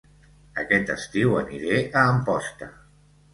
Aquest estiu aniré a Amposta